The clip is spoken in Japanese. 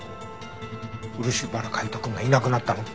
漆原海斗くんがいなくなったの？